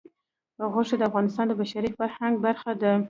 غوښې د افغانستان د بشري فرهنګ برخه ده.